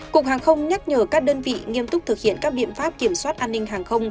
cục hàng không nhắc nhở các đơn vị nghiêm túc thực hiện các biện pháp kiểm soát an ninh hàng không